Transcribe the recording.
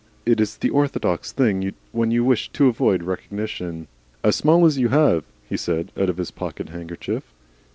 It is the orthodox thing when you wish to avoid recognition. "As small as you have," he said, out of his pocket handkerchief.